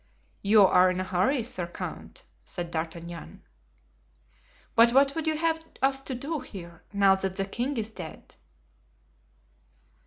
"You are in a hurry, sir count," said D'Artagnan. "But what would you have us to do here, now that the king is dead?"